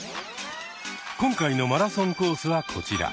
今回のマラソンコースはこちら。